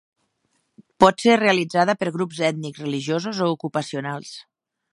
Pot ser realitzada per grups ètnics, religiosos o ocupacionals.